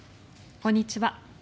こんにちは。